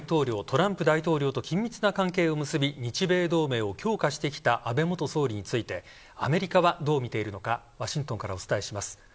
トランプ大統領と緊密な関係を結び日米同盟を強化してきた安倍元総理についてアメリカはどう見ているのかワシントンからお伝えします。